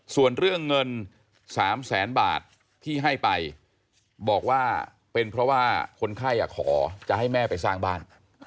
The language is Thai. ส่วนเรื่องเงิน๓แสนบาทที่ให้ไปบอกว่าเป็นเพราะว่าคนไข้ขอจะให้แม่ไปสร้างบ้าน